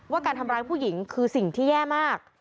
การทำร้ายผู้หญิงคือสิ่งที่แย่มาก